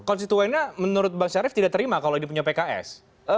konstituennya menurut bang syarif tidak terima kalau ini punya pks